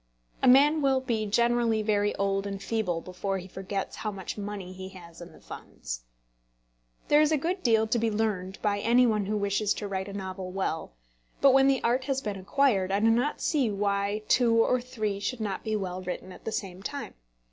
A man will be generally very old and feeble before he forgets how much money he has in the funds. There is a good deal to be learned by any one who wishes to write a novel well; but when the art has been acquired, I do not see why two or three should not be well written at the same time.